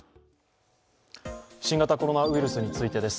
新型コロナウイルスについてです。